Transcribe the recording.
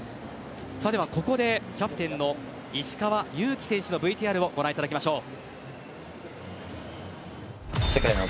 では、ここでキャプテンの石川祐希選手のＶＴＲをご覧いただきましょう。